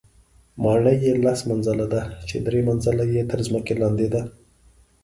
ماڼۍ یې لس منزله ده چې درې منزله یې تر ځمکې لاندې دي.